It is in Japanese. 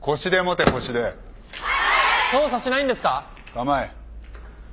構え。